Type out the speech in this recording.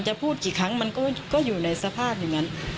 พูดกี่ครั้งมันก็อยู่ในสภาพอย่างนั้น